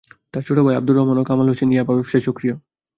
তাঁর ছোট ভাই আবদুর রহমান ও কামাল হোসেন ইয়াবা ব্যবসায় সক্রিয়।